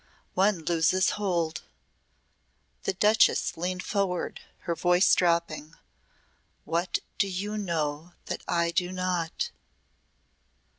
One loses hold." The Duchess leaned forward her voice dropping. "What do you know that I do not?"